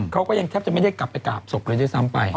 เขาก็ยังแทบจะไม่ได้กลับไปกราบศพเลยด้วยซ้ำไป